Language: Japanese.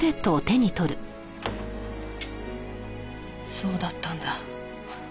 そうだったんだ。